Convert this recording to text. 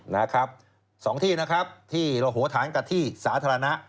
นะครับสองที่นะครับที่ระโหฐานกับที่สาธารณะ